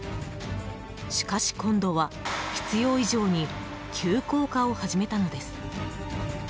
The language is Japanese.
しかし今度は、必要以上に急降下を始めたのです。